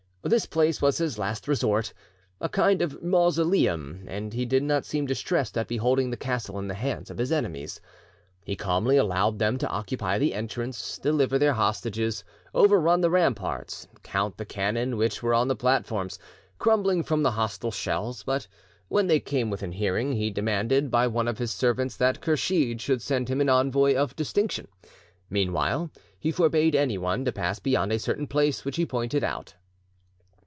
This place was his last resort, a kind of mausoleum; and he did not seem distressed at beholding the castle in the hands of his enemies. He calmly allowed them to occupy the entrance, deliver their hostages, overrun the ramparts, count the cannon which were on the platforms, crumbling from the hostile shells; but when they came within hearing, he demanded by one of his servants that Kursheed should send him an envoy of distinction; meanwhile he forbade anyone to pass beyond a certain place which he pointed out.